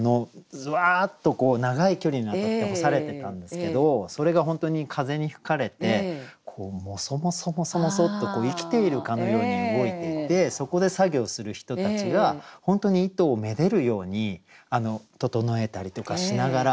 ワーッと長い距離にわたって干されてたんですけどそれが本当に風に吹かれてこうモソモソモソモソッと生きているかのように動いていてそこで作業する人たちが本当に糸をめでるように整えたりとかしながら。